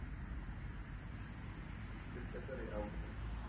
Druhou prioritou je silnější Evropa.